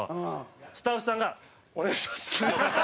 スタッフさんが「お願いします」。